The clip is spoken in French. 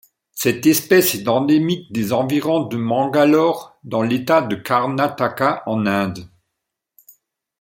Cette espèce est endémique des environs de Mangalore dans l'État de Karnataka en Inde.